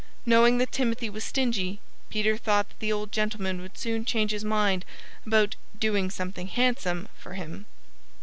Knowing that Timothy was stingy, Peter thought that the old gentleman would soon change his mind about "doing something handsome" for him.